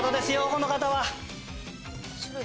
この方は。